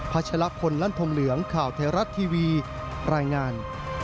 พระชะลักษณ์คนลันทมเหลืองข่าวไทยรัฐทีวีรายงาน